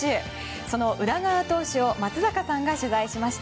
その宇田川投手を松坂さんが取材しました。